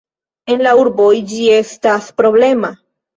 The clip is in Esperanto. En la urboj, ĝi estas problema.